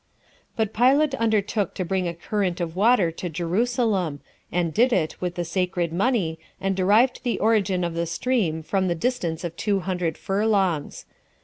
2. But Pilate undertook to bring a current of water to Jerusalem, and did it with the sacred money, and derived the origin of the stream from the distance of two hundred furlongs.